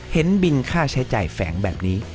เห็นบินค่าใช้จ่ายแฝงแบบนี้